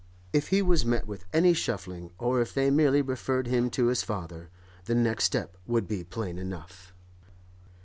If he was met with any shuffling, or if they merely referred him to his father, the next step would be plain enough.